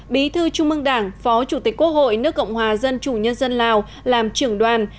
bí thư trung mương đảng phó chủ tịch quốc hội nước cộng hòa dân chủ nhân dân lào làm trưởng đoàn